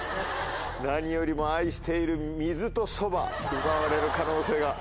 何よりも愛している水とそば奪われる可能性が。